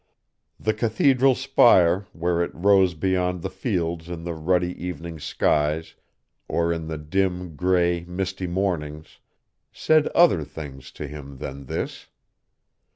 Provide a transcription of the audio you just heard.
The cathedral spire, where it rose beyond the fields in the ruddy evening skies or in the dim, gray, misty mornings, said other things to him than this.